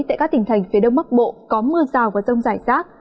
tại các tỉnh thành phía đông bắc bộ có mưa rào và rông rải rác